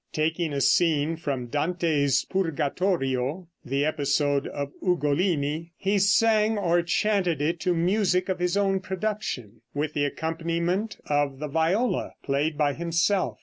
Taking a scene from Dante's "Purgatorio" (the episode of Ugolini), he sang or chanted it to music of his own production, with the accompaniment of the viola played by himself.